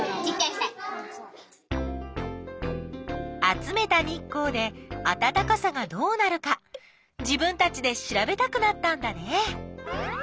集めた日光であたたかさがどうなるか自分たちでしらべたくなったんだね。